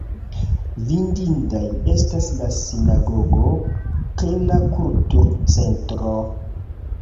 Vidindaj estas la Sinagogo kaj la Kulturcentro.